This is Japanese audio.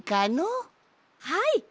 はい！